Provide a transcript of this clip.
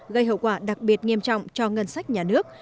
gây hậu quả đặc biệt nghiêm trọng cho ngân sách nhà nước